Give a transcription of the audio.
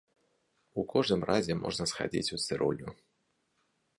У кожным разе можна схадзіць у цырульню.